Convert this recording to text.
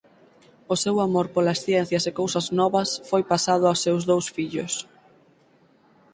O seu amor polas ciencias e cousas novas foi pasado aos seus dous fillos.